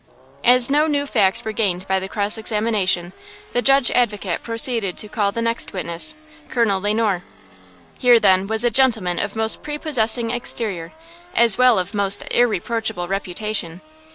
As no new facts were gained by the cross examination, the Judge Advocate proceeded to call the next witness, Colonel Le Noir. Here, then, was a gentleman of most prepossessing exterior, as well as of most irreproachable reputation.